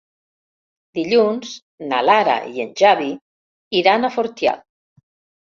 Dilluns na Lara i en Xavi iran a Fortià.